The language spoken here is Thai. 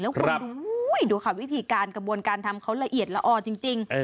แล้วคุณดูค่ะวิธีการกระบวนการทำเขาละเอียดละออจริง